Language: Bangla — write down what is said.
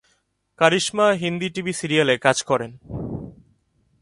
কারিশমা হিন্দি টিভি সিরিয়ালে কাজ করেন।